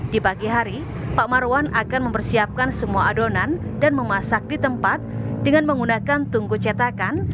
di pagi hari pak marwan akan mempersiapkan semua adonan dan memasak di tempat dengan menggunakan tungku cetakan